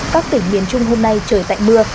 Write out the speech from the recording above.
các tỉnh miền trung hôm nay trời tạnh mưa